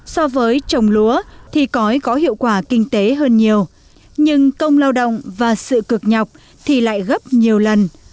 so với trồng lúa thì cõi có hiệu quả kinh tế hơn nhiều nhưng công lao động và sự cực nhọc thì lại gấp nhiều lần